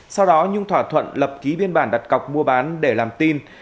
sau đó nhung thỏa thuận lập ký biên bản đặt cọc mua bán để làm tin